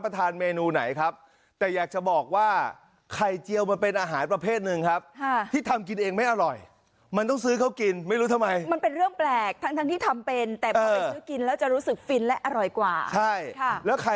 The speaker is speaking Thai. ถ้าเวลา